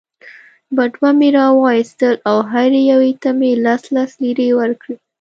بټوه مې را وایستل او هرې یوې ته مې لس لس لیرې ورکړې.